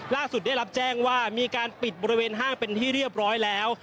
ล่าสุดได้รับแจ้งว่ามีการปิดบริเวณห้างเป็นที่เรียบร้อยแล้ว